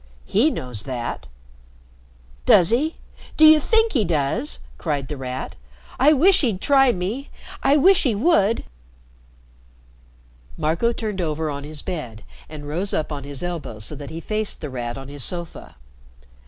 "He knows that." "Does he? Do you think he does?" cried The Rat. "I wish he'd try me. I wish he would." Marco turned over on his bed and rose up on his elbow so that he faced The Rat on his sofa.